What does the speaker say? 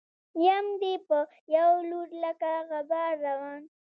يم دې په يو لور لکه غبار روان